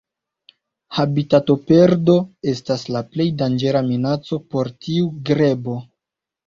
Habitatoperdo estas la plej danĝera minaco por tiu grebo.